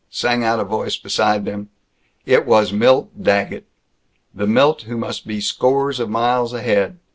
sang out a voice beside them. It was Milt Daggett the Milt who must be scores of miles ahead.